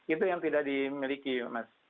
itu yang tidak dimiliki mas